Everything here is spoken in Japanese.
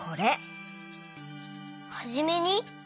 「はじめに」？